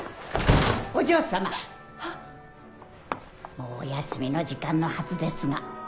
もうお休みの時間のはずですが。